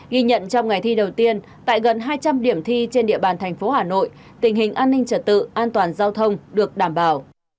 ghi nhận trong ngày thi đầu tiên tại gần hai trăm linh điểm thi trên địa bàn thành phố hà nội tình hình an ninh trật tự an toàn giao thông được đảm bảo